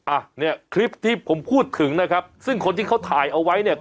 อ่ะเนี่ยคลิปที่ผมพูดถึงนะครับซึ่งคนที่เขาถ่ายเอาไว้เนี่ย